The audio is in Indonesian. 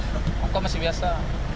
organda masih biasa